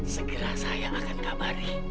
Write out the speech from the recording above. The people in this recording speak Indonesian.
segera saya akan kabari